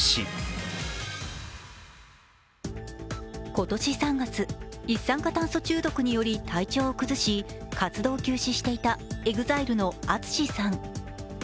今年３月、一酸化炭素中毒により体調を崩し、活動休止していたＥＸＩＬＥのＡＴＳＵＳＨＩさん。